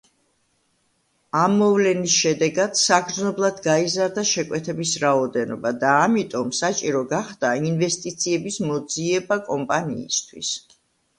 ამ მოვლენის შედეგად საგრძნობლად გაიზარდა შეკვეთების რაოდენობა და ამიტომ საჭირო გახდა ინვესტიციების მოძიება კომპანიისთვის.